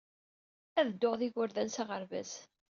Ad dduɣ ed yigerdan s aɣerbaz.